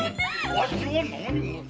わしは何も。